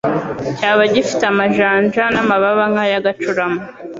cyaba gifite amajanja n’amababa nk’ay’agacurama.